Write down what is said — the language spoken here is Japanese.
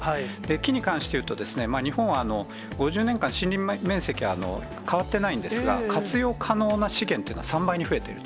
木に関していうとですね、日本は５０年間、森林面積は変わってないんですが、活用可能な資源っていうのは、３倍に増えてる。